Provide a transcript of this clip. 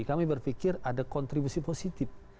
kami berpikir ada kontribusi positif